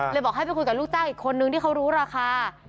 บอกให้ไปคุยกับลูกจ้างอีกคนนึงที่เขารู้ราคา